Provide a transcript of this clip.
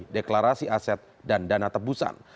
deklarasi aset dan dana tebusan